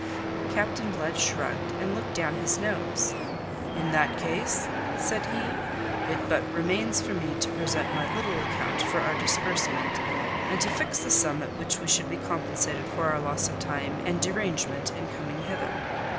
Captain Blood shrugged, and looked down his nose. "In that case," said he, "it but remains for me to present my little account for our disbursement, and to fix the sum at which we should be compensated for our loss of time and derangement in coming hither.